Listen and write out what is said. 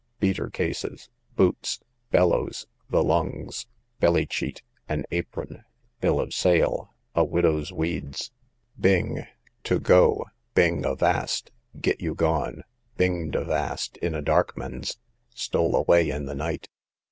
Beater cases, boots. Bellows, the lungs. Belly cheat, an apron. Bill of sale, a widow's weeds. Bing, to go, bing avast; get you gone. Binged avast in a darkmans; stole away in the night.